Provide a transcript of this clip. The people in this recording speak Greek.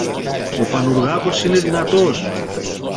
Ο Πανουργάκος είναι δυνατός!